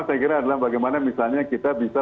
saya kira adalah bagaimana misalnya kita bisa